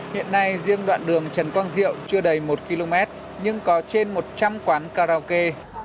hiện nay riêng đoạn đường trần quang diệu chưa đầy một km nhưng có trên một trăm linh quán karaoke